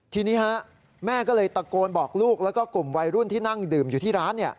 ทีนี้แม่ก็เลยตะโกนบอกลูกแล้วก็กลุ่มวัยรุ่นที่นั่งดื่มอยู่ที่ร้าน